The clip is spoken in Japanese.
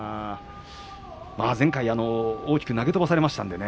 前回大きく投げ飛ばされましたのでね。